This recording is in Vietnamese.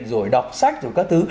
rồi đọc sách rồi các thứ